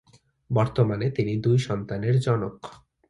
বর্তমানে তিনি দুই সন্তানের জনক।